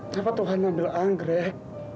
siapa tuhan yang ambil anggrek